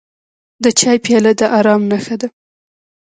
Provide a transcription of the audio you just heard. د چای پیاله د ارام نښه ده.